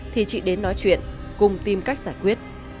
thì chị đến nói chuyện cùng tìm cách giải quyết